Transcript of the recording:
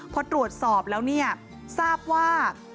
พอตรวจสอบแล้วเนี่ยทราบว่า